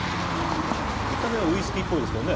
見た目はウイスキーっぽいですけどね。